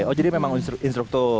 oh jadi memang instruktor